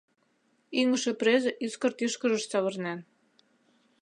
Ӱҥышӧ презе ӱскырт ӱшкыжыш савырнен.